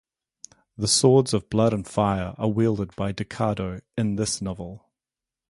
The Swords of Blood and Fire are wielded by Decado in this novel.